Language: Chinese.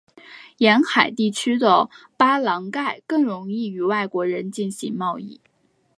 沿海地区的巴朗盖更容易与外国人进行贸易。